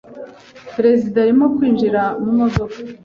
Perezida arimo kwinjira mu modoka.